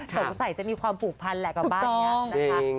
ตกใส่จะมีความผูกพันแหละกับบ้านเนี่ย